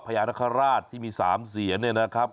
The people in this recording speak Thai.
พญานาคาราชที่มี๓เสียนเนี่ยนะครับ